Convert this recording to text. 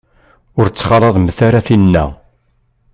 Ur ttxalaḍemt ara tinna.